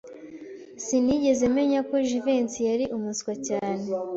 Sinigeze menya ko Jivency yari umuswa cyane.